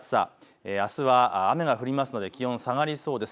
あすは雨が降るので気温が下がりそうです。